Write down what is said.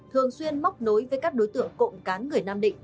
thường xuyên móc nối với các đối tượng cộng cán người nam định